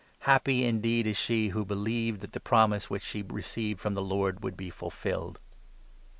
Happy indeed is she who believed chat the promise which she 45 received from the Lord would be fulfilled."